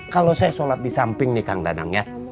kalau saya sholat di samping nih kang danang ya